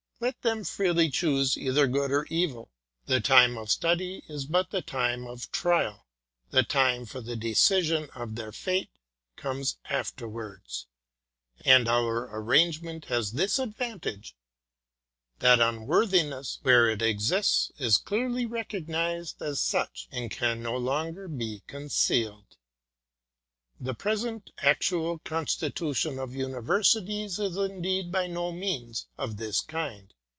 Let them freely choose either good or evil : the time of study is but the time of trial; the time for the decision of their fate comes afterwards; and our arrangement has this advantage, that unworthiness, where it exists, is clearly recognized as such, and can no longer be concealed. The present actual constitution of Universities is indeed by no means of this kind.